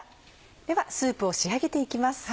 ではスープを仕上げていきます。